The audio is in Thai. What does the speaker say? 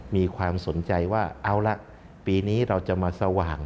มีความสนใจว่าเอาละปีนี้เราจะมาสว่าง